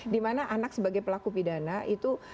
dimana anak sebagai pelaku pidana itu